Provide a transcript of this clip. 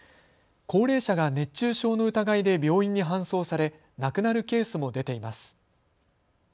高齢者が熱中症の疑いで病院に搬送され亡くなるケースも出ています。